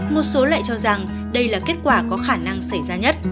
một số lại cho rằng đây là kết quả có khả năng xảy ra nhất